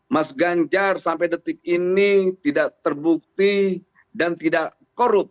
mas ganjar sampai detik ini tidak terbukti dan tidak korup